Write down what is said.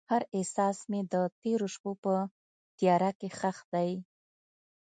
هر احساس مې د تیرو شپو په تیاره کې ښخ دی.